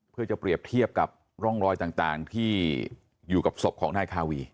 เพื่อจะเปรียบเทียบกับร่องรอยต่างที่อยู่กับศพของนายคาวี